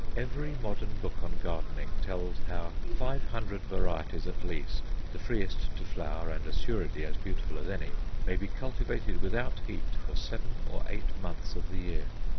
Every modern book on gardening tells how five hundred varieties at least, the freest to flower and assuredly as beautiful as any, may be cultivated without heat for seven or eight months of the year.